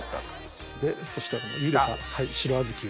そしてゆでた白小豆を。